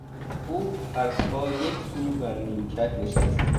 او هر پا یک سو بر نیمکت نشست.